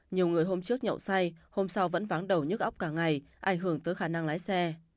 nhiều người hôm trước nhậu say hôm sau vẫn vắng đầu nhức óc cả ngày ảnh hưởng tới khả năng lái xe